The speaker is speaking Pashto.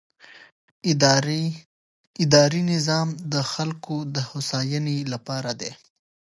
اداري نظام د خلکو د هوساینې لپاره دی.